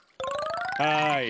はい。